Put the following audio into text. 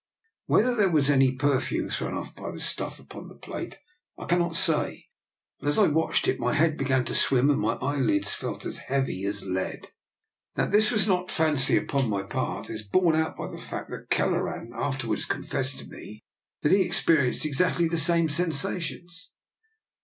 Whether there was any per fume thrown off by the stuff upon the plate I cannot say, but as I watched it my head began to swim and my eyelids felt as heavy as lead. That this was not fancy upon my part is borne out by the fact that Kelleran afterwards confessed to me that he experi enced exactly the same sensations.